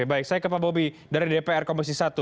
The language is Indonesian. baik saya ke pak bobi dari dpr komisi satu